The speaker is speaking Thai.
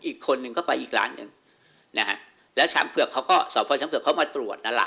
อีกคนนึงก็ไปอีกร้านหนึ่งนะฮะแล้วช้างเผือกเขาก็สพช้างเผือกเขามาตรวจนั่นแหละ